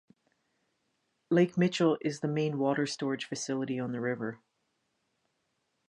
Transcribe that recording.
Lake Mitchell is the main water storage facility on the river.